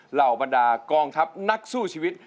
เหล่าบรรดากองทัพนักสู้ชีวิต